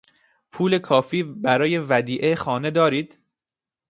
پول کافی برای ودیعهی خانه دارید؟